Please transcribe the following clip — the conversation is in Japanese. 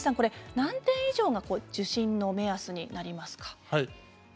何点ぐらいが受診の目安になりますか？